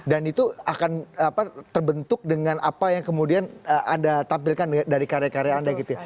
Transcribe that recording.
dan itu akan terbentuk dengan apa yang kemudian anda tampilkan dari karya karya anda gitu ya